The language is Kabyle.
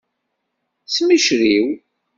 Smicrew.